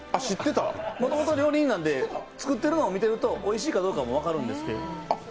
もともと料理人なんで作ってるのを見るとおいしいかどうかも分かるんですけど。